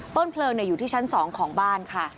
เพลิงอยู่ที่ชั้น๒ของบ้านค่ะ